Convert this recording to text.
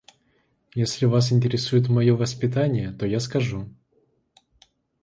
Если вас интересует моё воспитание, то я скажу.